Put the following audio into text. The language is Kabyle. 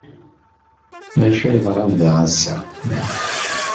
D acu ay yeḍran da ass-a?